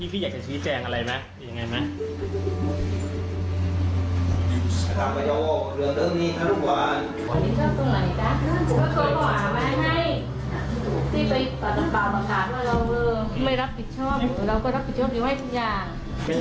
มันไม่รับผิดชอบเราก็รับผิดชอบอยู่ให้ทุกอย่าง